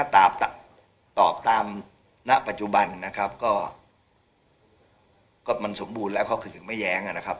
ตอบตามณปัจจุบันนะครับก็มันสมบูรณ์แล้วเขาคือถึงไม่แย้งนะครับ